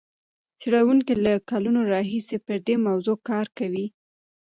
څېړونکي له کلونو راهیسې پر دې موضوع کار کوي.